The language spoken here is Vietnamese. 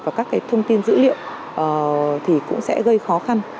và các thông tin dữ liệu thì cũng sẽ gây khó khăn